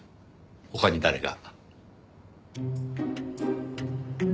他に誰が？